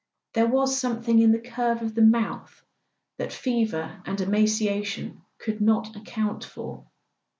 There was something in the curve of the mouth that fever and emaciation could not account for.